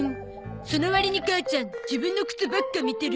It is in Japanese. その割に母ちゃん自分の靴ばっか見てるよね。